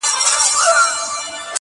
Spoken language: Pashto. څوک په مال او دولت کله سړی کيږي,